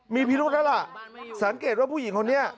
มีพิรุธแล้วล่ะสังเกตว่าผู้หญิงคนนี้